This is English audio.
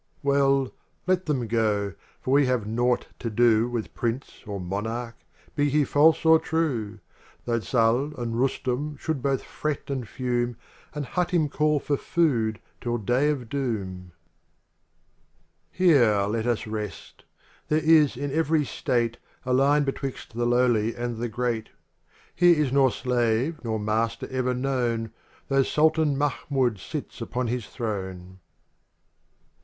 Well, let them go, for we have naught to do With prince or monarch, be he false or true Tho" Z61 and Rustum should both fret and fume, And Hatim call for food till Day of Doom, is — VJIl x 14 Here let us rest There is in every state A line betwixt the lowly acid the great, Here is nor slave nor master ever known, Though Sultan M&hxmid sits upon his throne.